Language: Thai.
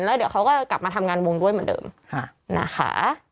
แล้วเดี๋ยวเขาก็กลับมาทำงานวงด้วยเหมือนเดิมนะคะ